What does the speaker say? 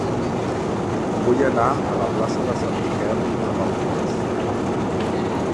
Vull anar a la plaça de Sant Miquel amb autobús.